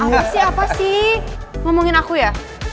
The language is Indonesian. aku sih apa sih ngomongin aku ya